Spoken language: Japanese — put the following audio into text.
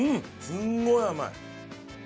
すんごい甘い。